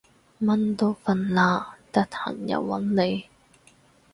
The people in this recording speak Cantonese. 蚊都瞓喇，得閒又搵你